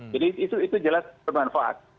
jadi itu jelas bermanfaat